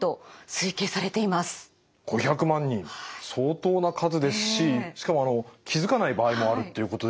５００万人相当な数ですししかも気付かない場合もあるっていうことでした。